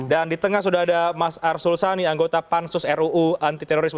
dan di tengah sudah ada mas arsul sani anggota pansus ruu antiterorisme